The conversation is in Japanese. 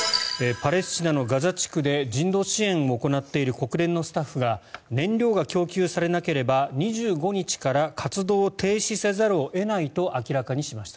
パレスチナのガザ地区で人道支援を行っている国連のスタッフが燃料が供給されなければ２５日から活動を停止せざるを得ないと明らかにしました。